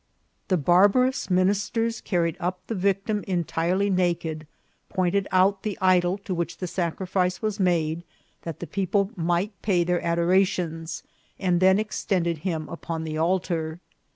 The barbarous ministers carried up the victim entire ly naked, pointed out the idol to which the sacrifice was made, that the people might pay their adorations, and then extended him upon the altar.